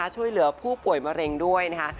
ช่วยเหลือผู้ป่วยมะเร็งด้วยนะคะ